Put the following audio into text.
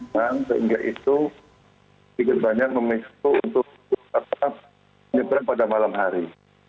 dan sehingga itu diketahuan memistu untuk tetap menyeberang pada malam hari